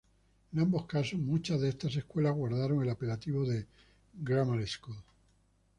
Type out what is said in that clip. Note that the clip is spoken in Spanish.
En ambos casos, muchas de estas escuelas guardaron el apelativo de "grammar school".